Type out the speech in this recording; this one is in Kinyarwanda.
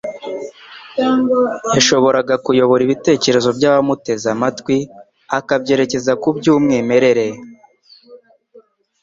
yashoboraga kuyobora ibitekerezo by'abamuteze amatwi akabyerekeza ku by'umwimerere,